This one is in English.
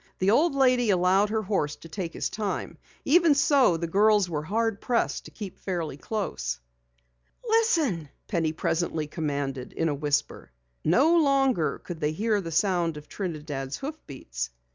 The old lady allowed her horse to take his time. Even so, the girls were hard pressed to keep fairly close. "Listen!" Penny presently commanded in a whisper. No longer could they hear the sound of Trinidad's hoofbeats.